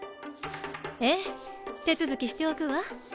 ええ手続きしておくわ。